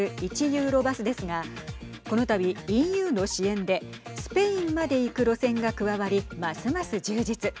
１ユーロバスですがこのたびＥＵの支援でスペインまで行く路線が加わりますます充実。